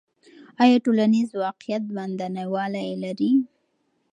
آیا ټولنیز واقعیت باندنی والی لري؟